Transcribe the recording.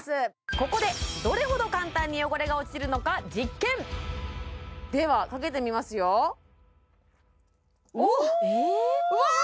ここでどれほど簡単に汚れが落ちるのか実験ではかけてみますよおおっうわっ！